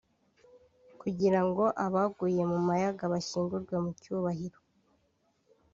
kugira ngo abaguye ku Mayaga bashyingurwe mu cyubahiro